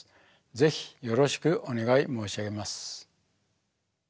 是非よろしくお願い申し上げます。